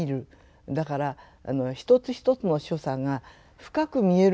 だから一つ一つの所作が深く見えるんですね。